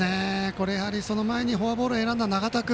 これはその前にフォアボールを選んだ永田君。